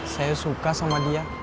saya suka sama dia